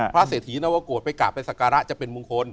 เศรษฐีนวกฏไปกราบไปสักการะจะเป็นมงคล